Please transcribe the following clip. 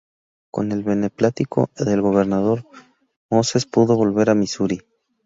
Con el beneplácito del gobernador, Moses pudo volver a Misuri.